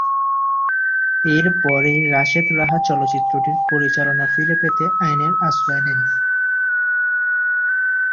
এর পরই রাশেদ রাহা চলচ্চিত্রটির পরিচালনা ফিরে পেতে আইনের আশ্রয় নেন।